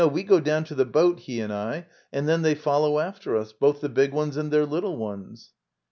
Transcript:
No, we go down to the boat, he and L And then they follow after us. Both the big ones and their little ones.